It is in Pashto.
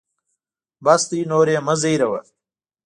بس دی نور یې مه زهیروه.